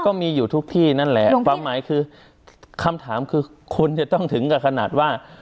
ก็มีอยู่ทุกที่นั่นแหละความหมายคือคำถามคือคุณจะต้องถึงกับขนาดว่า